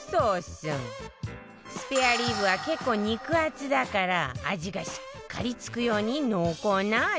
スペアリブは結構肉厚だから味がしっかり付くように濃厚な味付け